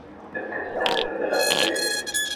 তুমি খালাসিদের হাতের রান্না খাইতে পারিবে?